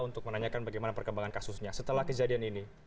untuk menanyakan bagaimana perkembangan kasusnya setelah kejadian ini